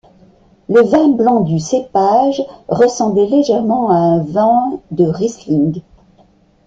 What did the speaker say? Le vin blanc du cépage ressemble légèrement à un vin de riesling.